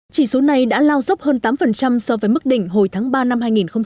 chỉ số này đã lao dốc hơn tám so với mức đỉnh hồi tháng ba năm hai nghìn một mươi chín